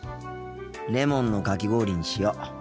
レモンのかき氷にしよう。